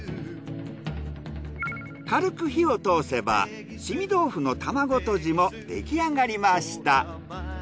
軽く火を通せば凍み豆腐の卵とじもできあがりました。